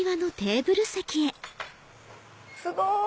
すごい！